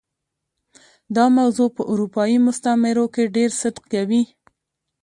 دا موضوع په اروپايي مستعمرو کې ډېر صدق کوي.